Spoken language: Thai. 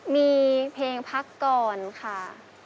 มีเพลงพักก่อนค่ะ